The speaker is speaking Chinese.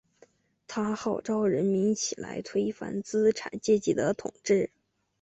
他号召人民起来推翻资产阶级的统治。